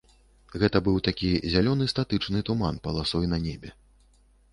Гэта быў такі зялёны статычны туман паласой на небе.